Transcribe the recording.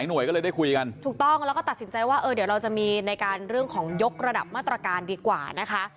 หน่วยก็เลยได้คุยกันถูกต้องแล้วก็ตัดสินใจว่าเออเดี๋ยวเราจะมีในการเรื่องของยกระดับมาตรการดีกว่านะคะ